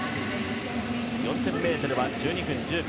４０００ｍは１２分１０秒。